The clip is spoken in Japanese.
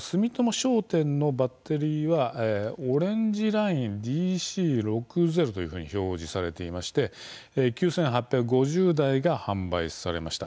商店のバッテリーはＯｒａｎｇｅＬｉｎｅＤＣ６０というふうに表示されてまして９８５０台が販売されました。